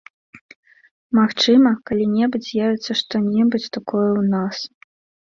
Магчыма, калі-небудзь з'явіцца што-небудзь такое ў нас.